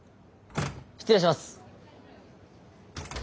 失礼します。